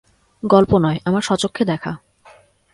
গল্প নয়, আমার স্বচক্ষে দেখা।